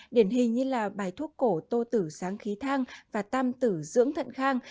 điển hình như là bài thuốc cổ tô tử sáng khí thang và tam tử dưỡng thận khang